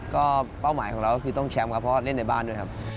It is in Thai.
ก็เป้าหมายของเราก็คือต้องแชมป์ครับเพราะว่าเล่นในบ้านด้วยครับ